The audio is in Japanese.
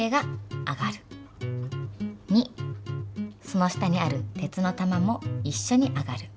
その下にある鉄の玉もいっしょに上がる。